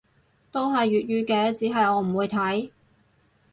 都係粵語嘅，只係我唔會睇